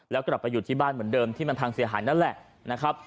แล้วกลับไปยืนบ้านเหมือนเดิมที่มาทางเสียหานั่นแหละ